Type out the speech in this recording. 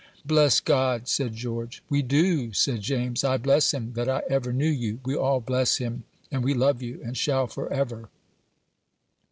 "Bless God!" said George. "We do," said James. "I bless him that I ever knew you; we all bless him, and we love you, and shall forever."